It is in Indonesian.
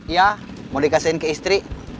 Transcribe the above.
ya mau dikasihin ke istri